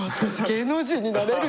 芸能人になれる！